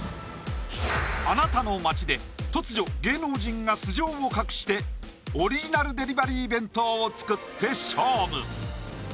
あなたの街で突如芸能人が素性を隠してオリジナルデリバリー弁当を作って勝負